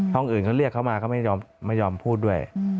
ห้องอื่นเขาเรียกเขามาเขาไม่ยอมพูดด้วย